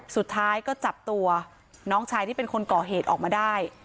สุดท้ายก็จับตัวน้องชายที่เป็นคนก่อเหตุออกมาได้